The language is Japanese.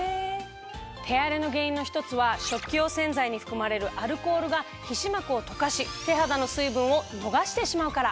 手荒れの原因の１つは食器用洗剤に含まれるアルコールが皮脂膜を溶かし手肌の水分を逃してしまうから。